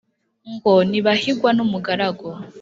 ngo ntibahigwa n’umugaragu.